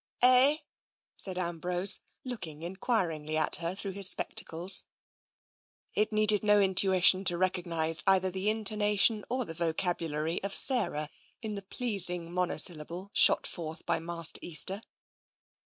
" Eh ?" said Ambrose, looking enquiringly at her through his spectacles. It needed no intuition to recognise either the intona tion or the vocabulary of Sarah in the pleasing mono syllable shot forth by Master Easter.